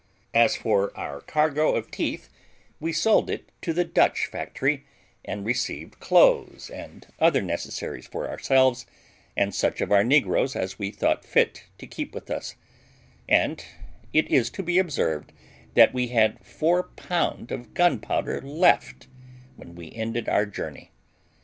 As for our cargo of teeth, we sold it to the Dutch factory, and received clothes and other necessaries for ourselves, and such of our negroes as we thought fit to keep with us; and it is to be observed, that we had four pound of gunpowder left when we ended our journey.